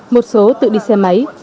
một số tự đi xe máy